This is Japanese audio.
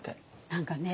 何かね